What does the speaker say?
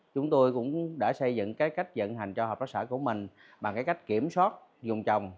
chúng tôi cũng đã xây dựng cái cách dẫn hành cho hợp tác xã của mình bằng cái cách kiểm soát dùng trồng